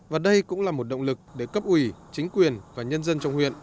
và đây cũng là một động lực để cấp ủy chính quyền và nhân dân trong huyện